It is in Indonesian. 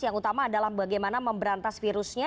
yang utama adalah bagaimana memberantas virusnya